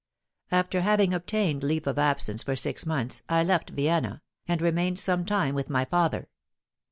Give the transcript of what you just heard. After having obtained leave of absence for six months, I left Vienna, and remained some time with my father.